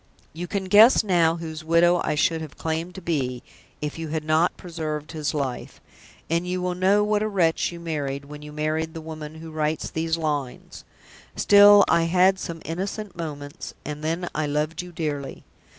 You can guess now whose widow I should have claimed to be, if you had not preserved his life; and you will know what a wretch you married when you married the woman who writes these lines. Still, I had some innocent moments, and then I loved you dearly.